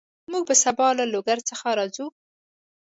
موږ به سبا له لوګر څخه راځو